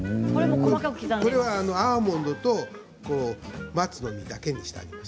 これはアーモンドと松の実だけにしてあります。